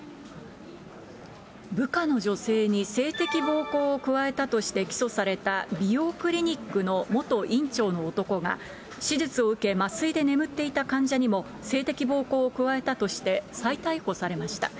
部下の女性に性的暴行を加えたとして起訴された、美容クリニックの元院長の男が、手術を受け、麻酔で眠っていた患者にも性的暴行を加えたとして再逮捕されました。